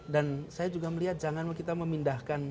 dan saya juga melihat jangan kita memindahkan